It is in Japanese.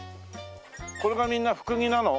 これがみんなフクギなの？